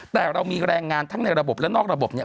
แต่เรามีแรงงานทั้งในระบบและนอกระบบเนี่ย